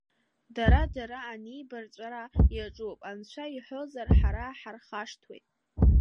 Дара-дара анибарҵәара иаҿуп, анцәа иҳәозар, ҳара ҳархашҭуеит!